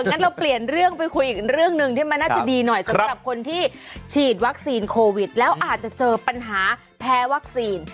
งั้นเราเปลี่ยนเรื่องไปคุยอีกเรื่องหนึ่งที่มันน่าจะดีหน่อยสำหรับคนที่ฉีดวัคซีนโควิดแล้วอาจจะเจอปัญหาแพ้วัคซีน